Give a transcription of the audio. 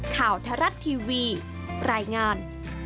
ข่าวทรัศน์ทีวีรายงาน